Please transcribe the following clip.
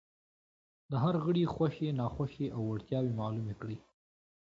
د هر غړي خوښې، ناخوښې او وړتیاوې معلومې کړئ.